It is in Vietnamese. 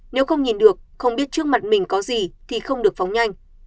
nếu không nhìn được không biết trước mặt mình có gì thì không được phóng nhanh